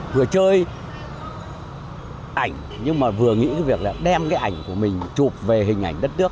vừa chơi ảnh nhưng mà vừa nghĩ cái việc là đem cái ảnh của mình chụp về hình ảnh đất nước